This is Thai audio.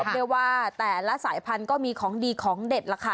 ได้ว่าแต่ละสายพันธุ์ก็มีของดีของเด็ดล่ะค่ะ